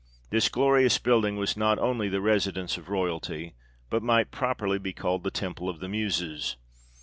This glorious building was not only the residence of royalty, but might properly be called the Temple of the Muses.